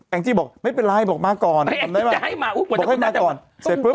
แอ็งจี้บอกไม่เป็นไรบอกมาก่อนบอกให้มาก่อนเสร็จเพิ่ม